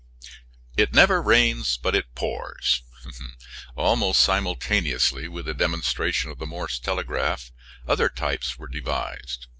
"It never rains but it pours." Almost simultaneously with the demonstration of the Morse telegraph other types were devised.